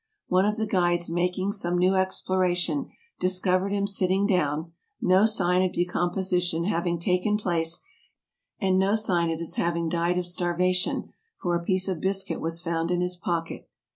One of the guides making some new exploration, discovered him sitting down, no sign of decomposition having taken place, and no sign of his having died of starvation, for a piece of biscuit was found in his pocket.